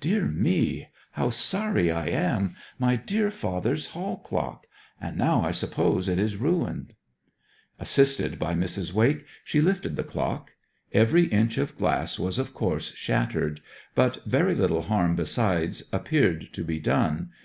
Dear me, how sorry I am! My dear father's hall clock! And now I suppose it is ruined.' Assisted by Mrs. Wake, she lifted the clock. Every inch of glass was, of course, shattered, but very little harm besides appeared to be done.